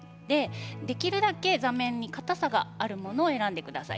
できるだけ座面にかたさがあるものを選んでください。